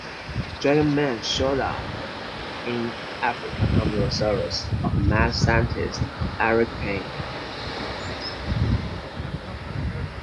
Dragon Man showed up in Africa under the service of mad scientist Eric Pain.